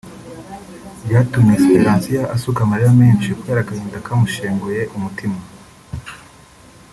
byatumye Siperansiya asuka amarira menshi kubera agahinda kamushenguye umutima